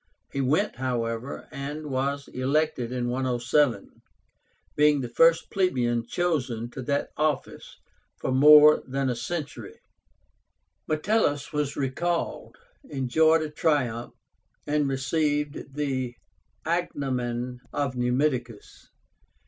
He went, however, and was elected in 107, being the first plebeian chosen to that office for more than a century. Metellus was recalled, enjoyed a triumph, and received the agnomen of NUMIDICUS.